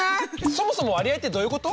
そもそも割合ってどういうこと？